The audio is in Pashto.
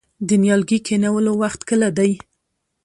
د نیالګي کینولو وخت کله دی؟